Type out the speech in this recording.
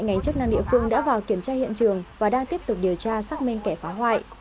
ngành chức năng địa phương đã vào kiểm tra hiện trường và đang tiếp tục điều tra xác minh kẻ phá hoại